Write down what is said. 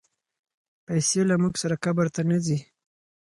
پیسې له موږ سره قبر ته نه ځي.